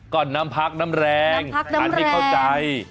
ก็น้ำพักน้ำแรงอันนี้เข้าใจ